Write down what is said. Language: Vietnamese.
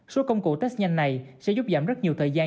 số công cụ test nhanh này sẽ giúp giảm rất nhiều thời gian